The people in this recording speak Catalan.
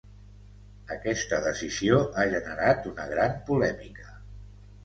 Aquesta decisió ha generat una gran polèmica.